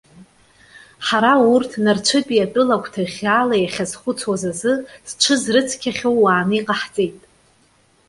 Ҳара урҭ, нарцәытәи атәыла гәҭыӷьӷьаала иахьазхәыцуаз азы, зҽызрыцқьахьоу уааны иҟаҳҵеит.